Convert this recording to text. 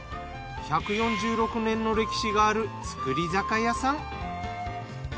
１４６年の歴史がある造り酒屋さん。